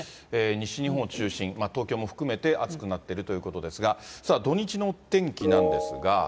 西日本を中心、東京も含めて暑くなっているということですが、土日のお天気なんですが。